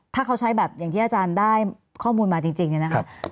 ถ้าเขาใช้แบบอย่างที่อาจารย์ได้ข้อมูลมาจริงเนี่ยนะคะ